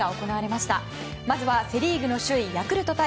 まずはセ・リーグの首位ヤクルト対